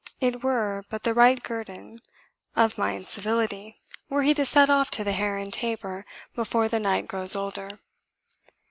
It were but the right guerdon of my incivility were he to set off to the Hare and Tabor before the night grows older."